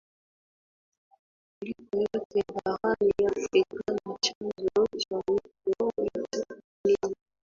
kuliko yote Barani Afrika na chanzo cha mto White Nile